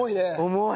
重い！